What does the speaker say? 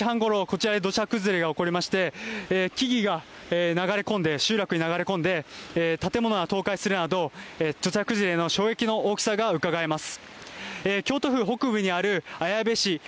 きょう午前０時半頃、こちらで土砂崩れが起こりまして、木々が集落に流れ込んで、建物が倒壊するなど、土砂崩れの衝撃の大きさがうかがえます。